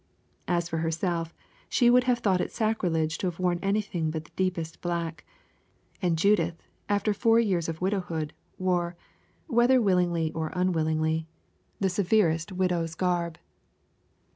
As for herself, she would have thought it sacrilege to have worn anything but the deepest black; and Judith, after four years of widowhood, wore, whether willingly or unwillingly, the severest widow's garb.